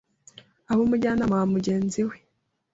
abe umujyanama wa mugenzi we.”